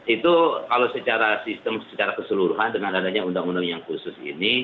itu kalau secara sistem secara keseluruhan dengan adanya undang undang yang khusus ini